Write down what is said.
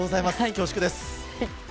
恐縮です。